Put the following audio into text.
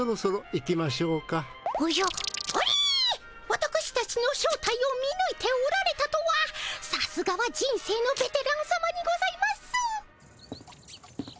わたくしたちの正体を見ぬいておられたとはさすがは人生のベテランさまにございます。